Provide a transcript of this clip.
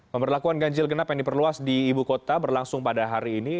pemberlakuan ganjil genap yang diperluas di ibu kota berlangsung pada hari ini